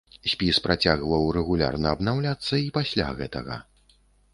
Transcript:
Спіс працягваў рэгулярна абнаўляцца і пасля гэтага.